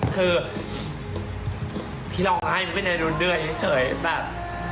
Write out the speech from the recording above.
คือที่เราง่ายมันก็เป็นอะไรดูเดื่อยเฉยแบบ